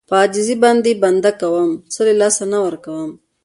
په عاجزي باندې بنده کوم څه له لاسه نه ورکوي.